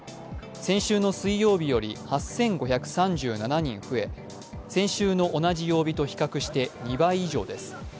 先週の水曜日より８５３７人増え先週の同じ曜日と比較して２倍以上です。